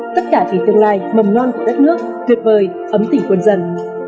tất cả vì tương lai mầm non của đất nước tuyệt vời ấm tỉnh quân dân